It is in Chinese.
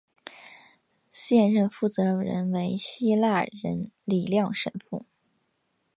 现任负责人为希腊人李亮神父。